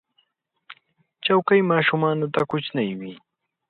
چوکۍ ماشومانو ته کوچنۍ وي.